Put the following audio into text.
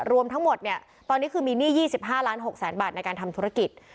รวมทั้งหมดตอนนี้คือมีหนี้๒๕๖๐๐๐๐๐บาทในการทำธุรกิจ